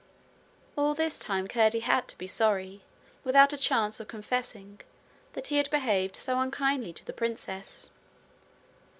All this time Curdie had to be sorry, without a chance of confessing, that he had behaved so unkindly to the princess.